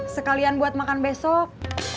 sekalian buat makan besok